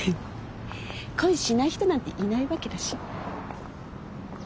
恋しない人なんていないわけだし。